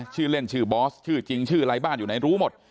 ชื่อเล่นชื่อบอสชื่อจริงชื่ออะไรบ้านอยู่ไหนรู้หมด